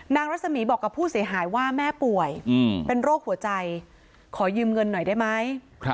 รัศมีบอกกับผู้เสียหายว่าแม่ป่วยเป็นโรคหัวใจขอยืมเงินหน่อยได้ไหม